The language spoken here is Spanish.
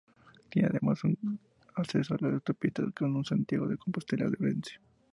Tiene además, un acceso a la autopista que une Santiago de Compostela con Orense.